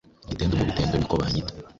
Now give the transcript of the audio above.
Igitendo mudutendo niko banyita